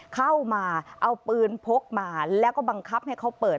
เข้ามาเอาปืนพกมาแล้วก็บังคับให้เขาเปิด